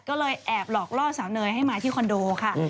ก็เลยแอบหลอกล่อสาวเนยให้มาที่คอนโดค่ะ